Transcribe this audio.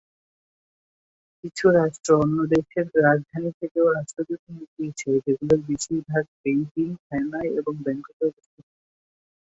কিছু রাষ্ট্র অন্য দেশের রাজধানী থেকেও রাষ্ট্রদূত নিয়োগ দিয়েছে, যেগুলোর বেশীরভাগ বেইজিং, হ্যানয় এবং ব্যাংককে অবস্থিত।